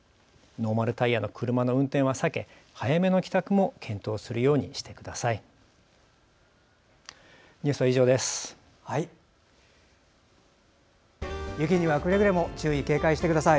ノーマルタイヤの車の運転は避け早めの帰宅も検討するようにしてください。